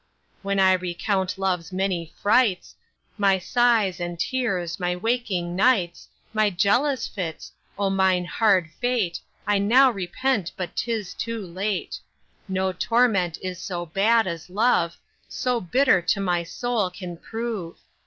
When I recount love's many frights, My sighs and tears, my waking nights, My jealous fits; O mine hard fate I now repent, but 'tis too late. No torment is so bad as love, So bitter to my soul can prove.